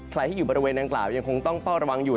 ใครที่อยู่บริเวณนางกล่าวยังคงต้องเฝ้าระวังอยู่